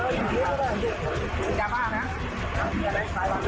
มีอะไร